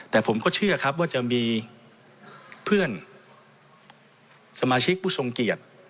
แต่ผมก็เชื่อครับว่าจะมีเพื่อนสมาชิกผู้ทรงเกียรติ